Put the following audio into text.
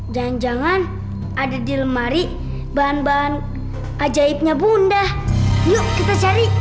jangan jangan ada di lemari bahan bahan ajaibnya bundah yuk kita cari